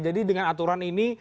jadi dengan aturan ini